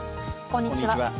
こんにちは。